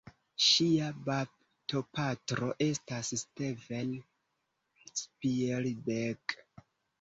Ŝia baptopatro estas Steven Spielberg.